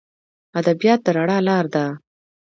ادبیات د رڼا لار ده.